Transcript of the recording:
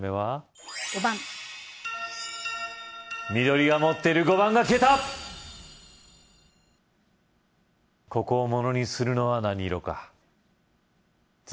５番緑が持っている５番が消えたここをものにするのは何色か続けます